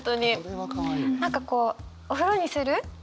何かこう「お風呂にする？